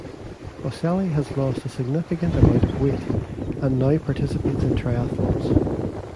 Boselli has lost a significant amount of weight and now participates in triathlons.